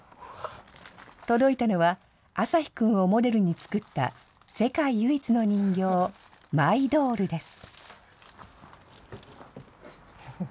届いたのは、あさひ君をモデルに作った世界唯一の人形、マイドールです。